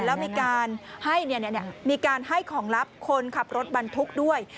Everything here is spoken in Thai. แล้วมีการให้ของลับคนขับรถบรรทุกด้วย